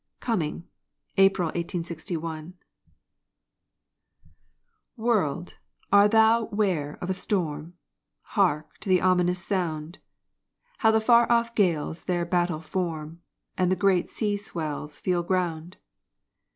COMING (APRIL, 1861) World, are thou 'ware of a storm? Hark to the ominous sound; How the far off gales their battle form, And the great sea swells feel ground!